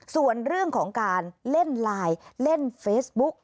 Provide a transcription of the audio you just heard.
ส่วนเรื่องของการเล่นไลน์เล่นเฟซบุ๊ก